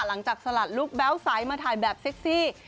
หลังจากสระรุกแบ๊วไซด์มาถ่ายแบบเซ็กซี่